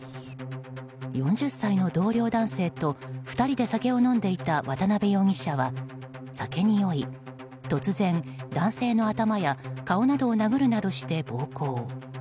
４０歳の同僚男性と２人で酒を飲んでいた渡辺容疑者は酒に酔い、突然男性の頭や顔を殴るなどして暴行。